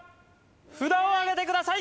札をあげてください